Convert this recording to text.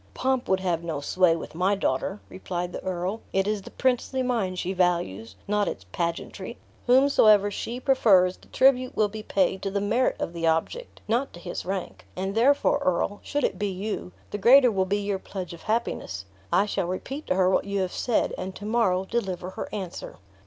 "Pomp would have no sway with my daughter," replied the earl; "it is the princely mind she values, not its pagentry. Whomsoever she prefers the tribute will be paid to the merit of the object, not to his rank; and therefore, earl, should it be you, the greater will be your pledge of happiness. I shall repeat to her what you have said; and to morrow deliver her answer."